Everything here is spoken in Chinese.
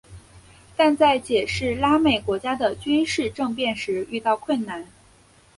但在解释拉美国家的军事政变时遇到困难。